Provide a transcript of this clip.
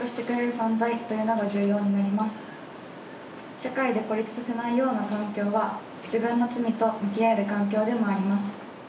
社会で孤立させないような環境は自分の罪と向き合える環境でもあります。